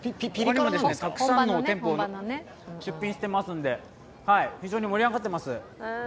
たくさんの店舗が出品してますので、非常に盛り上がっています。